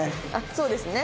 そうですね。